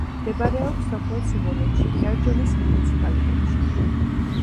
მდებარეობს სოფელ სიმონეთში თერჯოლის მუნიციპალიტეტში.